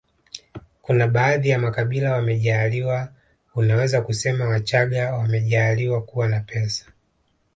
kuna baadhi ya makabila wamejaaliwa unaweza kusema wachaga wamejaaliwa kuwa na pesa